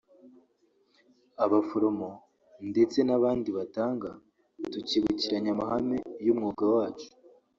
abaforomo ndetse n’abandi batanga tukibukiranya amahame y’umwuga wacu